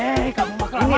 hei kamu mau kelamaan